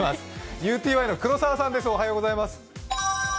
ＵＴＹの黒澤さんです。